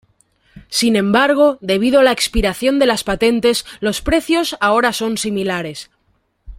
Sin embargo, debido a la expiración de las patentes, los precios ahora son similares.